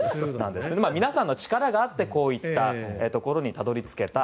皆さんの力があってこういったところにたどり着けた。